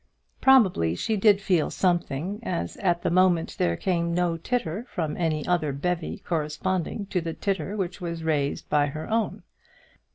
Probably she did feel something as at the moment there came no titter from any other bevy corresponding to the titter which was raised by her own.